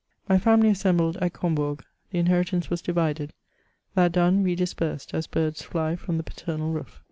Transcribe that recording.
My fiunily assembled at Combourg ; the ihheritance was divided ; that done, we dispersed, as birds fly from the paternal roof.